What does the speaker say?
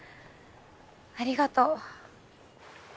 ありがとう。